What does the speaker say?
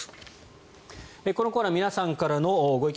このコーナー皆さんからのご意見